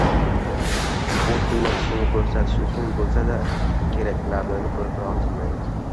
— U tilla tishini ko‘rsatish uchun bo‘lsa kerak labini buribroq jilmaydi.